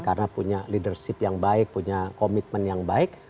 karena punya leadership yang baik punya commitment yang baik